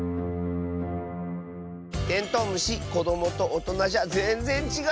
テントウムシこどもとおとなじゃぜんぜんちがったねえ。